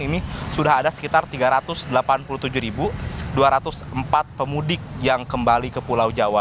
ini sudah ada sekitar tiga ratus delapan puluh tujuh dua ratus empat pemudik yang kembali ke pulau jawa